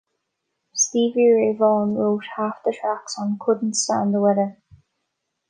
Stevie Ray Vaughan wrote half the tracks on "Couldn't Stand the Weather".